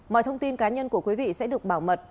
mọi thông tin cá nhân của quý vị sẽ được bảo mật